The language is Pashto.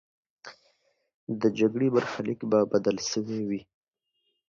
د جګړې برخلیک به بدل سوی وي.